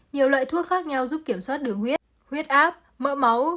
nhiều loại thuốc khác nhau giúp kiểm soát đường huyết huyết áp mỡ máu